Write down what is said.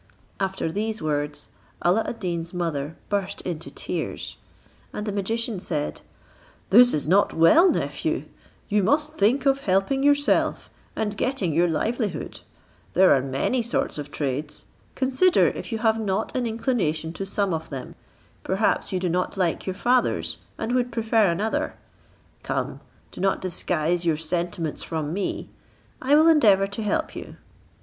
After these words, Alla ad Deen's mother burst into tears; and the magician said, "This is not well, nephew; you must think of helping yourself, and getting your livelihood. There are many sorts of trades, consider if you have not an inclination to some of them; perhaps you did not like your father's, and would prefer another: come, do not disguise your sentiments from me; I will endeavour to help you."